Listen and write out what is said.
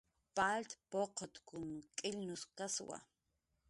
Palt puqutkun k'ilnushkaswa